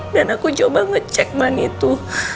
dan aku coba ngecek ban itu